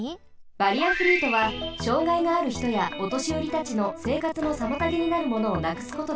バリアフリーとは障害があるひとやおとしよりたちのせいかつのさまたげになるものをなくすことです。